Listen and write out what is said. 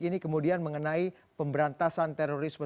ini kemudian mengenai pemberantasan terorisme